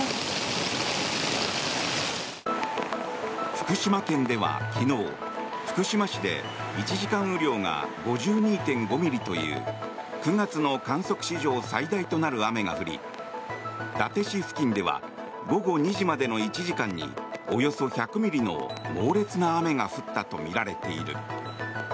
福島県では昨日、福島市で１時間雨量が５２．５ミリという９月の観測史上最大となる雨が降り伊達市付近では午後２時までの１時間におよそ１００ミリの猛烈な雨が降ったとみられている。